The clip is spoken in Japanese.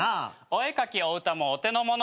お絵描きお歌もお手のもの。